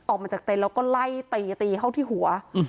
ออกมาจากเต็นต์แล้วก็ไล่ตีตีเข้าที่หัว